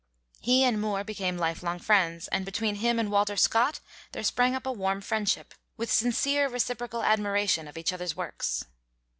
He and Moore became lifelong friends, and between him and Walter Scott there sprang up a warm friendship, with sincere reciprocal admiration of each other's works.